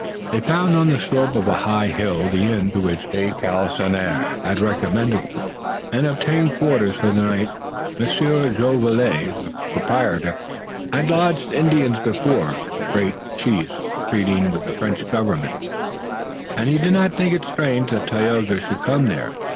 They found on the slope of a high hill the inn to which de Galisonnière had recommended them, and obtained quarters for the night. Monsieur Jolivet, the proprietor, had lodged Indians before, great chiefs treating with the French Government, and he did not think it strange that Tayoga should come there.